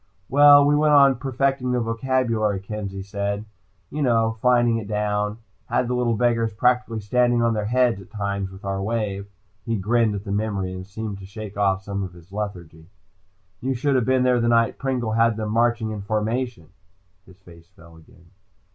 "Well, we went on perfecting the vocabulary," Kenzie said. "You know. Fining it down. Had the little beggars practically standing on their heads at times with our wave." He grinned at the memory and seemed to shake off some of his lethargy. "You shoulda been here the night Pringle had them marching in formation." His face fell again.